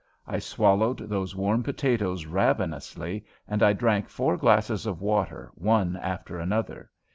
I swallowed those warm potatoes ravenously and I drank four glasses of water one after another.